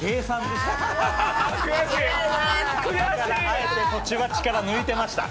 あえて途中は力抜いてました。